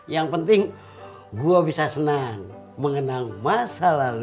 yang penting gua bisa senang mengenal masa lalu